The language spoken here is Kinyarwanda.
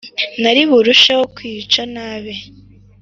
Ntari burusheho kwiyica nabi